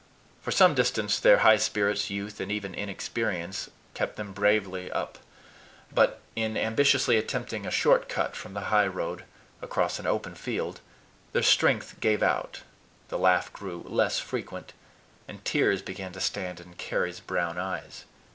For some distance their high spirits, youth, and even inexperience kept them bravely up; but, in ambitiously attempting a short cut from the highroad across an open field, their strength gave out, the laugh grew less frequent, and tears began to stand in Carry's brown eyes.